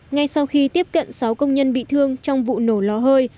ngay sau khi tiếp cận sáu công nhân bị thương trong vụ nổ lò hơi